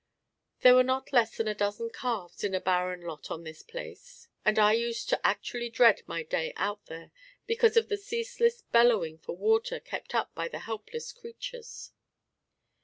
There were not less than a dozen calves in a barren lot on this place, and I used to actually dread my day out there, because of the ceaseless bellowing for water kept up by the helpless creatures.